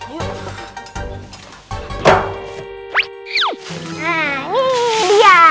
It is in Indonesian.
nah ini dia